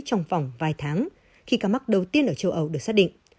trong vòng vài tháng khi ca mắc đầu tiên ở châu âu được xác định